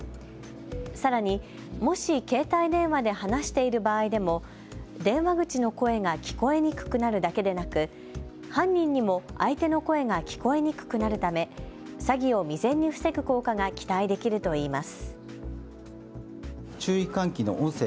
さらに、もし携帯電話で話している場合でも、電話口の声が聞こえにくくなるだけでなく犯人にも相手の声が聞こえにくくなるため、詐欺を未然に防ぐ効果が期待できるといいます。